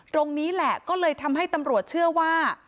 ตรงนี้แหละก็เลยทำให้ตำรวจเชื่อว่า